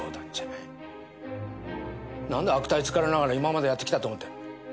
なんで悪態つかれながら今までやってきたと思ってる。